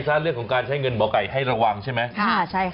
พึ่งเลยพึ่งดึงลาวทักเลย